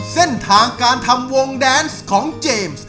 เส้นทางการทำวงแดนซ์ของเจมส์